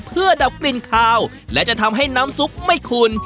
เพื่อดับกลิ่นคาวและจะทำให้น้ำซุปไม่ขุน